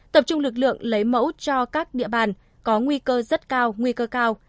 tập trung lực lượng lấy mẫu cho các địa bàn có nguy cơ rất cao nguy cơ cao